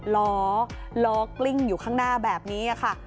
ล้อล้อกลิ้งอยู่ข้างหน้าแบบนี้ค่ะ